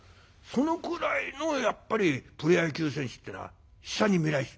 そのくらいのやっぱりプロ野球選手ってのは下に見られてた。